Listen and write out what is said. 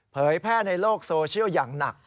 เผยแพร่ในโลกโซเชียลอย่างหนัก